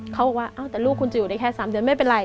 เขาบอกว่าแต่ลูกคุณจะอยู่ได้แค่๓เดือนไม่เป็นไร